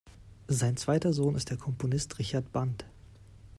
Sein zweiter Sohn ist der Komponist Richard Band.